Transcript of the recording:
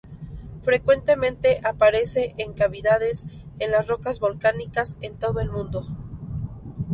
Frecuentemente aparece en cavidades en las rocas volcánicas en todo el mundo.